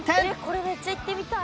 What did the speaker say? これめっちゃ行ってみたい！